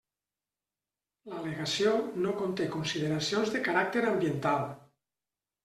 L'al·legació no conté consideracions de caràcter ambiental.